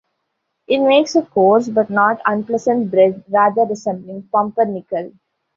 It makes a coarse but not unpleasant bread rather resembling pumpernickel.